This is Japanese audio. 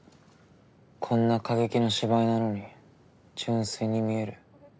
こんな過激な芝居なのに純粋に見える。